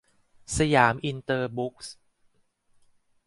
สยามอินเตอร์บุ๊คส์